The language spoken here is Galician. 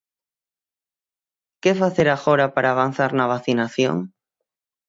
Que facer agora para avanzar na vacinación?